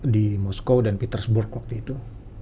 di moskow dan petersburg waktu itu